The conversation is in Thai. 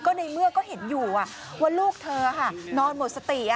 ในเมื่อก็เห็นอยู่ว่าลูกเธอนอนหมดสติ